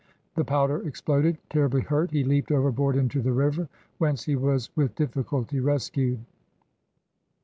The powder exploded. Terribly hurt, he leaped overboard into the river, whence he was with diflSculty rescued.